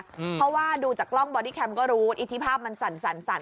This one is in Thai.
เพราะว่าดูจากกล้องบอดี้แคมป์ก็รู้อิทธิภาพมันสั่น